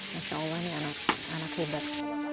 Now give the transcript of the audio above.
masya allah ini anak hebat